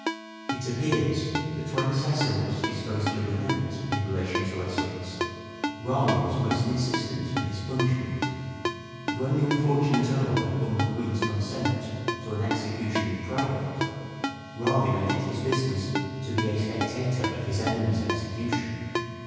It appears that when Cecil was disposed to relent in relation to Essex, Raleigh was most insistent for his punishment ; and when the unfortunate Earl had won the Queen's consent to an execution in private, Raleigh made it 392 "SHAKESPEARE" IDENTIFIED his business ^to be a spectator of his enemy's execution.